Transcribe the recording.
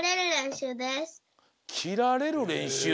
きられるれんしゅう？